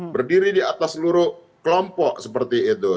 berdiri di atas seluruh kelompok seperti itu